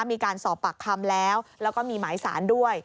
มีการสอบปากคำแล้วแล้วก็มีหมายสารด้วย